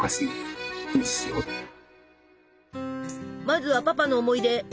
まずはパパの思い出！